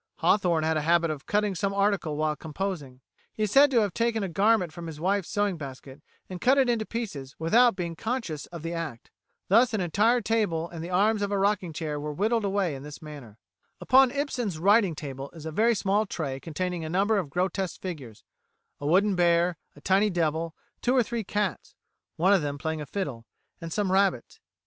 [130:A] Hawthorne had a habit of cutting some article while composing. He is said to have taken a garment from his wife's sewing basket, and cut it into pieces without being conscious of the act. Thus an entire table and the arms of a rocking chair were whittled away in this manner. Upon Ibsen's writing table is a small tray containing a number of grotesque figures a wooden bear, a tiny devil, two or three cats (one of them playing a fiddle), and some rabbits.